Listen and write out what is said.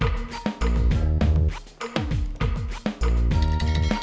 jangan dibahas sekarang